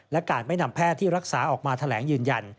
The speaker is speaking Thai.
และการไม่นำแพทย์ที่รักษาออกมาแถลงยืนยัน